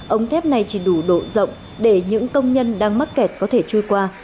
ống thép này chỉ đủ độ rộng để những công nhân đang mắc kẹt có thể trôi qua